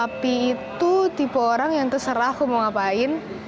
api itu tipe orang yang terserah aku mau ngapain